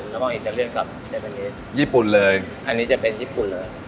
แล้วมองอิตาเลียนกับเบสญี่ปุ่นเลยอันนี้จะเป็นญี่ปุ่นเลย